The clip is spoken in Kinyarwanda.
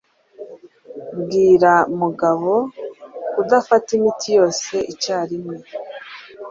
Bwira Mugabo kudafata imiti yose icyarimwe.